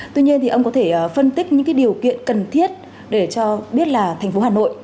tuy nhiên thì ông có thể phân tích những điều kiện cần thiết để cho biết là thành phố hà nội